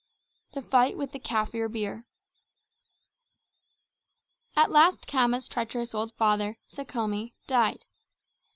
The Fight with the Kaffir Beer At last Khama's treacherous old father, Sekhome, died.